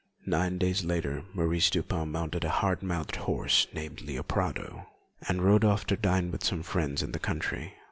Nine days later Maurice Dupin mounted a hard mouthed horse named Leopardo, and rode off to dine with some friends in the country.